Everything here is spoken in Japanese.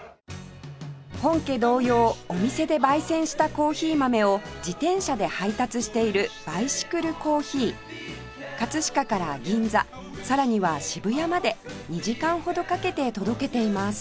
本家同様お店で焙煎したコーヒー豆を自転車で配達しているバイシクルコーヒー飾から銀座さらには渋谷まで２時間ほどかけて届けています